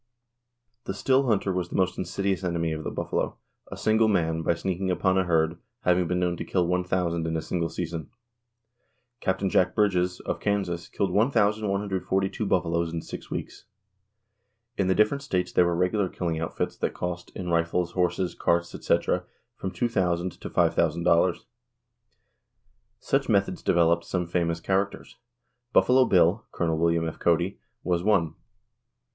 The still hunter was the most insidious enemy of the buffalo, a single man, by sneaking upon a herd, having been known to kill one thousand in a single season. Capt. Jack Bridges, of Kansas, killed 1,142 buffaloes in six weeks. In the different states there were regular killing outfits that cost, in rifles, horses, carts, etc., from $2,000 to $5,000. Such methods developed some famous characters. Buffalo Bill (Col. W. F. Cody) was one.